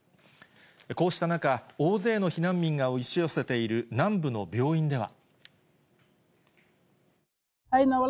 こうした中、大勢の避難民が押し寄せている南部の病院では。